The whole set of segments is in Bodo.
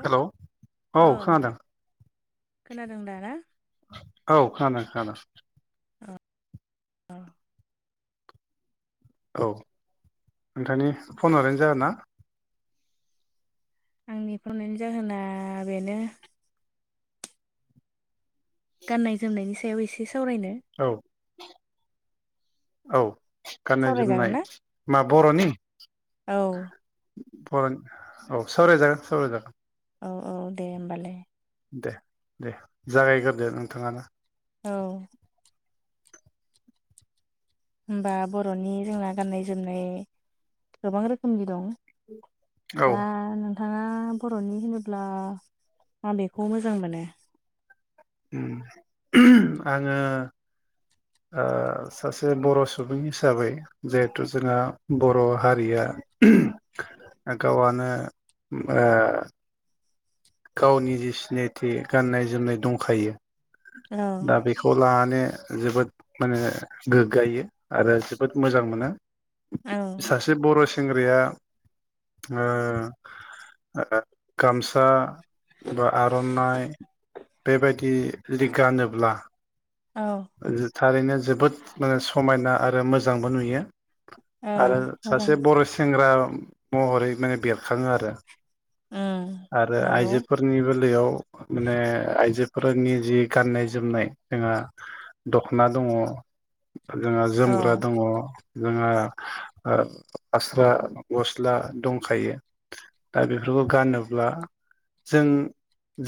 हेलौ औ खोनादों खोनादों दा ना औ खोनोदों खोनोदों औ औ नोंथांनि फन हरनायनि जाहोना आंनि फन हरनायनि जाहोना बेनो गाननाय जोमनायनि सायाव एसे सावरायनो औ औ गाननाय सावरायजागोन जोमनाय ना मा बर'नि औ औ सावरायोजागोन सावरायोजागोन औ औ दे होमबालाय दे दे जागायग्रोदो नोंथाङानो औ होमबा बर'नि जोंना गाननाय जोमनाय गोबां रोखोमनि दं औ दा नों थाङा बर'नि होनोब्ला माबेखौ मोजां मोनो। उ आङो ओ सासे बर सुबुं हिसाबै जिहेथु जोंहा बर' हारिया गावानो उम ओ गावनि जि सिनायथि गाननाय-जोमनाय दंखायो औ दा बेखौ लानानैनो जोबोद माने गोग्गायो आरो जोबोद मोजां मोनो। औ सासे बर' सेंग्राया ओ गामसा बा आर'नाइ बेबायदि लिग गानोब्ला औ थारैनो जोबोद माने समायना आरो मोजांबो नुयो। औ आरो मोजां सासे बर सेंग्रा महरै माने बेरखाङो आरो उम आरो नंगौ आइजोफोरनिबो बेयाव माने आइजोफोरनि जि गाननाय जोमनाय जोङा दख'ना दङ जोंहा औ जोमग्रा दङ जोंहा ओ फास्रा गस्ला दंखायो दा बेफोरखौ गानोब्ला जों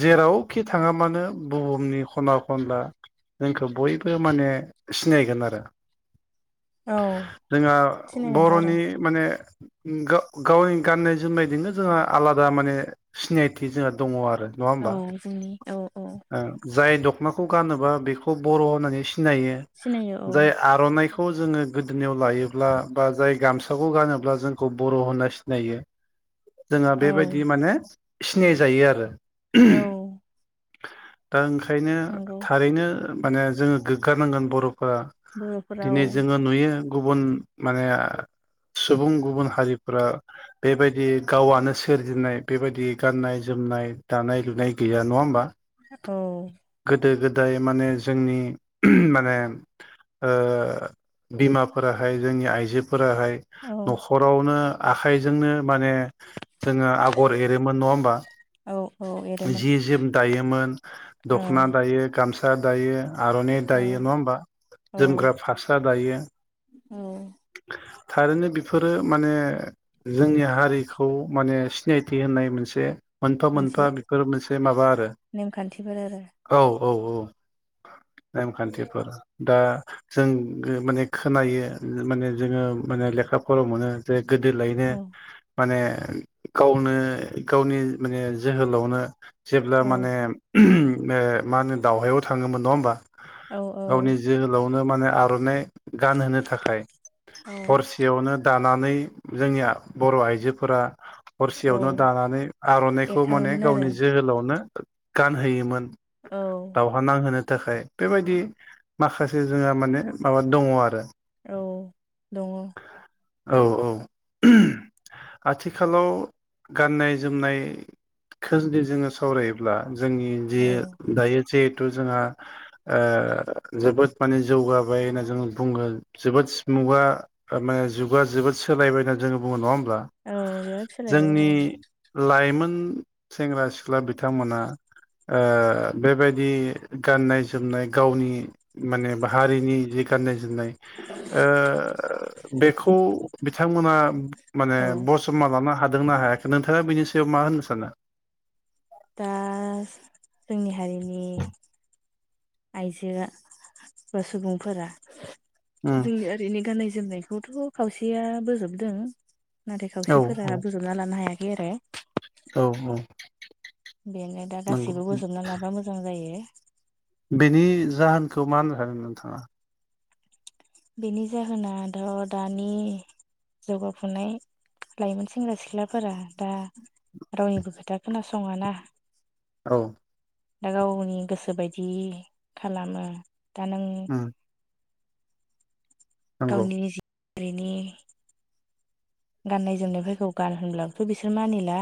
जेरावखि थाङा मानो बुहुमनि खना-खनला जोंखौ बयबो माने सिनायगोन आरो औ जोंहा सिनायगोनथ' आरो बर'नि माने उम गा-गावनि गाननाय-जोमनायजोंनो जोंहा आलादा माने सिनायथि जोंहा दङ आरो नङा औ होमबा जोंनि औ औ जाय दख'नाखौ गानोबा बेखौ बर' होननानै सिनायो सिनायो औ जाय आर'नाइ खौ जोङो गोदोनिायाव लायोब्ला बा जाय गामसाखौ गानोब्ला जोंखौ बर' होनना सिनायो। जोङो औ बेबायदि माने सिनाय जायो आरो औ दा ओंखायनो नंगौ थारैनो माने जोङो गोग्गानांगोन बर' फ्रा बर'फोरा औ दिनै जोङो नुयो गुबुन माने सुबुं गुबुन हारिफोरा बेबायदि गावआनो सोरजिनाय बेबायदि गाननाय-जोम नाय, दानाय-लुनाय गैया नङा होमबा औ नाथाइ माने जोंनि माने ओ बिमाफोराहाय जोंनि आइजो फोराहाय औ न'खरावनो आखाइजोंनो माने जोङो आगर एरोमोन नङा होमबा औ औ एरोमोन जि जोम दायोमोन औ दखना दायो गामसा दायो आर'नाइ औ दायो नङा होमबा औ जोमग्रा फास्रा दायो औ थारैनो बेफोरो माने जोंनि हारिखौ माने सिनायथि होननाय मोनसे मोनफा मोनफा मोनसे बेफोर मोनसे माबा आरो नेमखान्थिफोर आरो औ औ औ नेमखान्थिफोर दा जों माने खोनायो माने जोङो माने लेखाफोरावमोनो जे गोदो लायनो औ माने गावनो गावनि माने जोहोलावनो जेब्ला औ माने ओ मा होनो दावहायाव थाङोमोन नङा होमबा औ औ गावनि जोहोलावनो माने आर'नाइ गानहोनो थाखाय औ हरसेयावनो दाना नानै जोंनिया बर' आइजोफोरा हरसेयावनो औ दानानै आरनाइखौ माने एरखाङोमोन आरो गावनि जोहोलावनो गानहोयोमोन। औ आं होनो थाखाय बेबायदि माखासे जोंहा माने माबा दङ आरो। औ दङ। औ औ। आथिखालाव गाननाय जोमनाय खो जुदि जोङो सावरायोब्ला जोंनि जि दायो जे जोङो ओ जोबोद माने जौगाबाय होनना जो बुङो जोबोद जुगा ओ जुगा जोबोद सोलायबायना जो बुङो नङा होनबा। औ बिराद सोलायबाय औ जोंनि लाइमोन सेंग्रा सिख्ला बिथांमोना ओ बेबायदि गाननाय जोमनाय गावनि माने हारिनि जि गाननाय जोमनाय नाय ओ बेखौ बिथांमोना माने औ बसम माबानो हादों ना हायाखै नोंथाङा बिनि सायाव मा होननो सानो? दा जोंनि हारिनि आइजोआ बा सुबुंफोरा उम जों ओरैनो गाननाय जोमनायखौथ' खावसेया बोजोबदों। नाथाय औ खावसेफोरा औ बोजबना लानो हायाखै आरो। औ औ। बेनो दा नंगौ गासैबो बोजबना लाबा मोजां जायो। बेनि जाहोनखौ मा होननो हागोन नोंथाङा। बेनि जाहोनाथ दानि जौगाफुनाय लाइमोन सेंग्रा सिख्लाफोरा दा रावनिबो खोथा खोनासङा ना। औ। दा गावनि गोसो बायदि खालामो दा नों उम नंगौ गावनि जिरिनि गाननाय जोमनायफोरखौ गान होनब्लाबोथ' बिसोर मानिला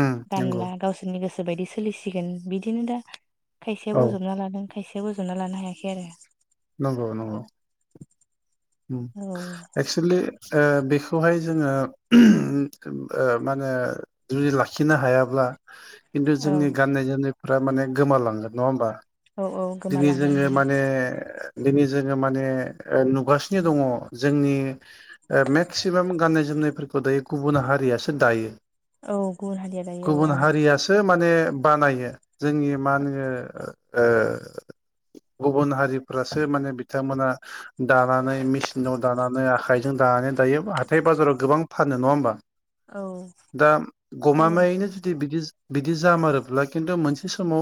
उम नंगौ गानला गावसोरनि गोसो बायदि सोलिसिगोन बिदिनो दा खायसेया औ बोजबना लादों खायसेया बोजबना लानो हायाखै आरो। नंगौ नंगौ। ओम आरो एक्सवलि ओ बेखौहाय जोङो ओ मा होनो जुदि लाखिनो हायाब्ला खिन्थु औ जोंनि गाननाय जोमनायफ्रा माने गोमालांगोन नङा होमबा। औ औ दिनै गोमालांगोन जोङो बेनि माने दिनै जोङो माने ओ नुगासिनो दङ जोंनि ओ मेक्सिमाम गाननाय जोमनाय नायफोरखौ दायो गुबुन हारियासो दायो औ गुबुन हारिया दायो औ गुबुन आरो हारियासो माने बानायो जोंनि मा होनो ओ गुबुन हारिफ्रासो माने बिथांमोना दानानै मेसिनाव दानानै आखाइजों दानानै दायो हाथाय बाजाराव गोबां फानो नङा होमबा? औ दा फानो गमामायैनो जुदि बिदि बिदि जामारोब्ला खिन्थु मोनसे समाव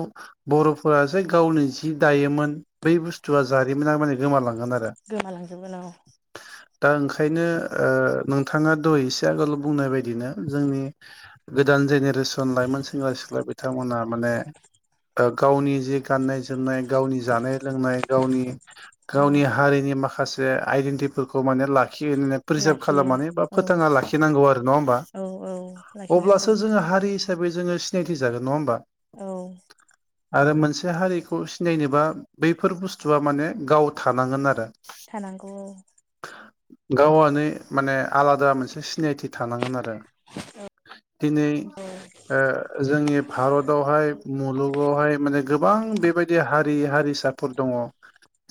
बर'फोरासो गावनि जि दायोमोन बै बुस्थुआ जारिमिना माने गोमालाङो गोमालांजोबगोन औ। दा ओंखायनो ओ नोंथाङा दहय एसे आगोलाव बुंनाय बायदिनो जोंनि गोदान जेने रेसन लाइमोन सेंग्रा सिख्ला बिथांमोना माने ओ गावनि जि गाननाय जोमनाय गावनि जानाय लोंनाय गावनि औ गावनि हारिनि माखासे से आइडेन्टिफोरखौ माने लाख लाखियो प्रिजार्भ लाखियो खालामनानै बा औ फोथाङना लाखिनांगौ आरो नङा होमबा? औ औ लाखिनांगौ अब्लासो जोङो हारि हिसाबै जोङो सिनायथि जागोन नङा होमबा? औ। आरो मोनसे हारिखौ सिनायनोबा बैफोर बुस्थुआ माने गाव थानांगोन आरो। थानांगौ। गावआनो माने आलादा मोनसे सिनायथि थानांगोन आरो दिनै जोंनि भारतदावहाय मुलुगावहाय माने गोबां बेबायदि बिदि हारि हारिसाफोर दङ।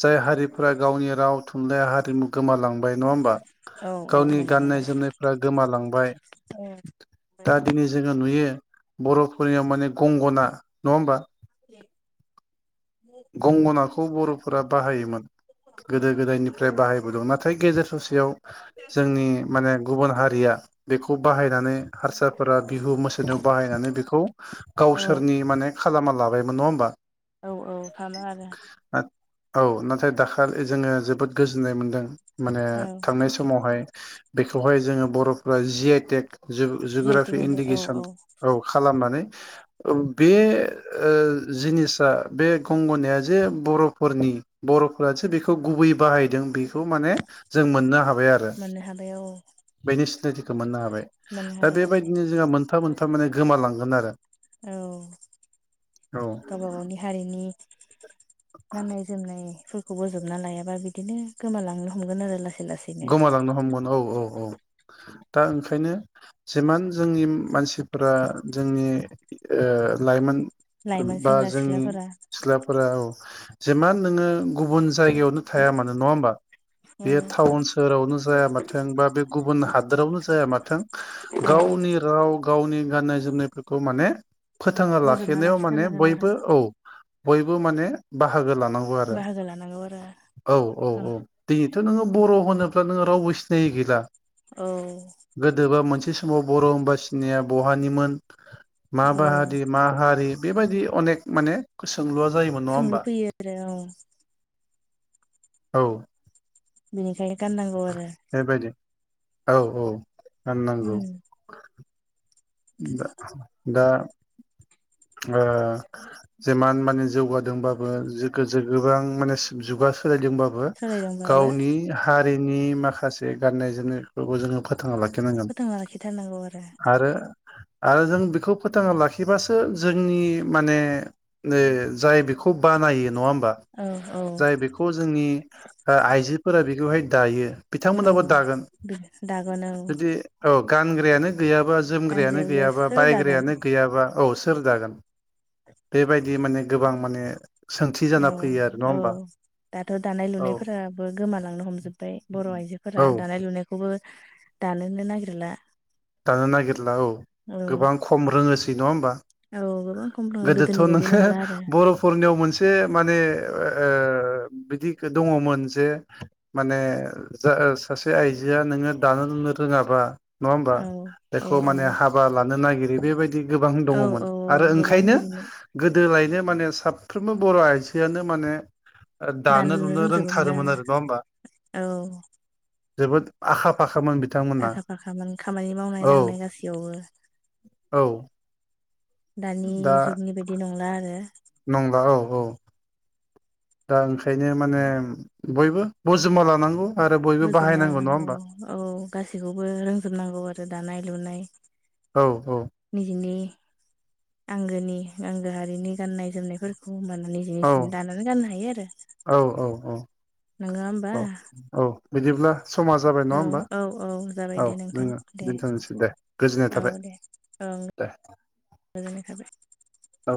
जाय हारिफोरा गावनि राव थुनलाइ हारिमु गोमालांबाय नङा होमबा? औ औ गावनि गाननाय गोमालांबाय जोमनायफ्रा गोमालांबाय दा दिनै जोङो नुयो बर'फोरनियाव माने गंगना नङा होमबा दे गंगनाखौ बर'फोरा बाहायोमोन गोदो गोदायनिफ्राय बाहाय दं नाथाय गेजेर ससेयाव जोंनि माने गुबुन हारिया बेखौ बाहायनानै हारसाफोरा बिहु मोसानो बाहायनानै बेखौ औ गावसोरनि माने खालामा लाबायमोन नङा होमबा। औ औ खामो आरो औ नाथाय दाखालि जोङो जोबोद गोजोननाय मोनदों माने औ थांनाय समावहाय बेखौहाय जोङो बर'फोरा G I tech G I tech geography मोनबाय औ इन्डिकेसन औ खालामनानै बे ओ जिनिसा बे गंगनाया जे बर'फोरनि बर'फोरासो बेखौ गुबै बाहायदों बे खौ माने जों मोननो हाबाय आरो मोननो हाबाय औ बेनि सिनायथिखौ मोननो हाब बाय। मोननो दा हादों औ बेबायदिनो जोंहा मोनफा मोनफा माने गोमालांगोन आरो। औ औ गावबा गावनि हारिनि गाननाय जोमनायफोरखौ बजबना लायाबा बिदिनो गोमालांनो हमगोन आरो लासै। लासैनो गोमालांनो हमगोन औ औ औ दा ओंखायनो जिमान जोंनि मानसिफोरा जोंनि ओ लाइमोन लाइमोन बा सेंग्रा जोंनि सिख्लाफोरा सिख्लाफोरा जेमान नोङो गुबुन जायगायावनो थाया मानो नङा होमबा। औ सहरावनो जाया माथों बा बे गुबुन हादोरावनो जाया माथों औ गावनि राव गाव नि गाननाय जोमनायफोरखौ माने फोथाङा बजबना लाखिनायाव माने लाखिथारनांगोन आरो बयबो औ बयबो माने बाहागो ला नांगौ आरो बाहागो लानांगौ आरो औ औ औ दिनैथ' नोङो बर' होनोब्लाथ' रावबो सिनायि गैला औ दि समाव बर' होमबा सिनाया बहानिमोन मा औ बाहारि मा हारि बेबायदि अनेक माने सोंलुवा सोंलु फैयो आरो औ। औ बिनिखायनो गाननांगौ आरो। बेबायदि औ औ उम गाननांगौ। ओ दा दा [inaudible] [unintelligible] दा जेमान माने जौगादोंबाबो जोग जोग्गोबां माने जुगा सोलायदोंबो ओ सोलायदोंबाबो गावनि हारिनि माखासे गाननाय जोमनायफोरखौ जोङो फोथ थांना लाखिनांगोन फोथांना लाखिथारनांगौ आरो आरो जों बेखौ फोथांना लाखिबासो जोंनि माने जे जाय बेखौ खुब बानायो नङा होम बा‌ औ औ जाय बेखौ जोंनि ओ आइजोफोरा बेखौहाय दायो औ बिथांमोनाबो दागोन दागोन औ जुदि औ गानग्रायानो गैयाबा जों बायानो दांग्रायाबो गैया गैयाबा सोर दागोन बायग्रायानो गैया औ सा सोर जागोन, बेबायदि माने गोबां माने सोंथि जाना औ फैयो आरो नङा औ होमबा दाथ' दानाय औ लुनायफोराबो गोमालांनो हमजोबबाय बर' आइजो औ फोरा दानाय लुनायखौबो दानोनो नागिरला दानो नागिरला औ औ गोबां खम रोङोसै नङा होमबा औ गोबां खम दङ गोदोथ' गोदोनि बायदि नोङो नंला आरो बर'फोरनियाव मोनसे जे माने ओ बिदि दङमोन जे माने सासे आइजोआ नोङो दानो लु नो रोङाबा नङा होमबा औ औ बेखौ औ माने हाबा लानो नागिरै बेबायदि गोबां औ दङमोन आरो औ गोबां ओंखायनो बिदिनो गोदो बे माने साफ्रोमबो बर' आइजोआनो माने दानो लुनो रोंथारोमोन आरो नङा होमबा? औ जोबोद आखा फाखा आखा फाखामोन खामानि मावनाय औ दांनाय गासैयावबो औ दानि दा जुगनि बायदि नंला आरो नंला औ औ दा ओंखायनो माने बयबो बजबना लानांगौ आरो बयबो बजबना बाहायनांगौ नङा लानांगौ होमबा औ गासैखौबो रोंजोबनांगौ आरो दानाय लुनाय औ निजिनि आंगोनि आंगो हारिनि गाननाय जोमनायफोरखौ ओमबानानै निजि औ निजि दानानै गाननो हायो आरो। औ औ औ नङा होमबा औ औ बिदिब्ला समा जाबाय औ नङा होमबा औ औ जाबाय औ दे नोंथां जोङो दे दोनथ'नोसै दे गोजोननाय औ थाबाय दे दे गोजोननाय थाबाय औ